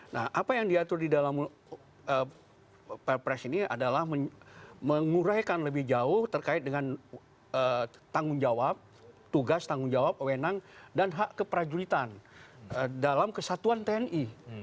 nah apa yang diatur di dalam perpres ini adalah menguraikan lebih jauh terkait dengan tanggung jawab tugas tanggung jawab wenang dan hak keperajulitan dalam kesatuan tni